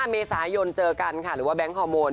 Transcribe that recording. เมษายนเจอกันค่ะหรือว่าแก๊งฮอร์โมน